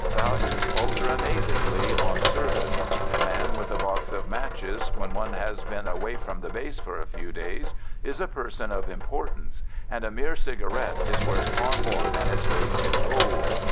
Values alter amazingly on service; the man with a box of matches, when one has been away from the base for a few days, is a person of importance, and a mere cigarette is worth far more than its weight in gold.